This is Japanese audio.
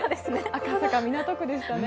赤坂、港区でしたね。